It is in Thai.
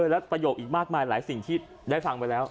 แล้วประโยคอีกมากมายหลายสิ่งที่ได้ฟังไปแล้ว